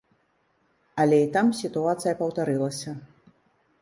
Але і там сітуацыя паўтарылася.